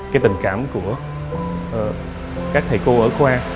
cái tình cảm của các thầy cô ở khoa